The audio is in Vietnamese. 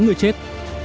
tám người chết